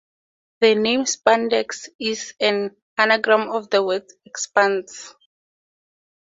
The name "spandex" is an anagram of the word "expands".